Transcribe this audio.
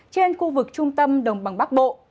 trên khu vực trung tâm đồng bằng bắc bộ